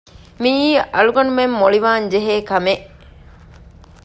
މިއީ އަޅުގަނޑުމެން މޮޅިވާންޖެހޭ ކަމެއް